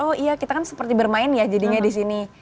oh iya kita kan seperti bermain ya jadinya di sini